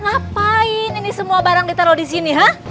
ngapain ini semua barang ditaro disini ha